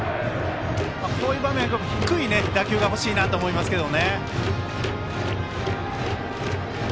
こういう場面では低い打球が欲しいと思いますけど。